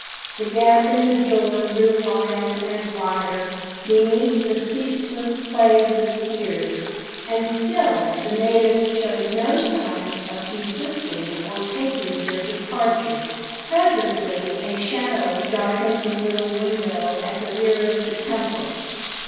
The gap in the door grew wider and wider beneath the ceaseless play of the spears, and still the natives showed no signs of desisting or of taking their departure. Presently a shadow darkened the little window at the rear of the temple.